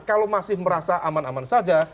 kalau masih merasa aman aman saja